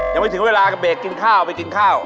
ยังไม่ถึงเวลากับเบรกกินข้าวไปกินข้าว